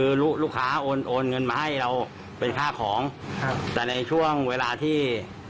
ใครคุณครับคือลูกค้าโอนเงินมาให้เราเป็นค่าของแต่ในช่วงเวลาที่